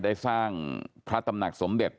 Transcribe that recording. ได้สร้างพระตำหนักสมเด็จ